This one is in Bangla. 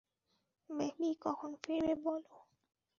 বেবি, কখন ফিরবে বলো।